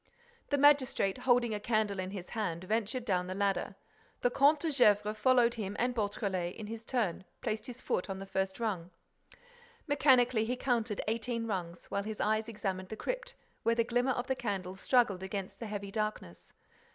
The magistrate, holding a candle in his hand, ventured down the ladder. The Comte de Gesvres followed him and Beautrelet, in his turn, placed his foot on the first rung. Mechanically, he counted eighteen rungs, while his eyes examined the crypt, where the glimmer of the candle struggled against the heavy darkness.